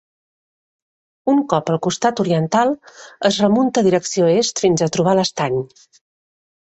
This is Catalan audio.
Un cop al costat oriental es remunta direcció est fins a trobar l'estany.